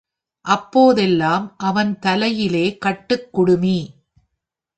அப்போதெல்லாம் அவன் தலையிலே கட்டுக் குடுமி.